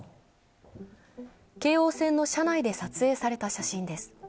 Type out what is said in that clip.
京王線の車内で撮影された写真です。